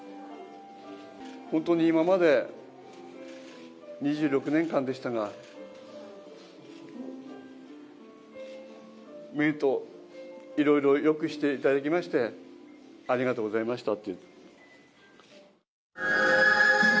本当に今まで２６年間でしたが、芽生といろいろよくしていただきまして、ありがとうございました。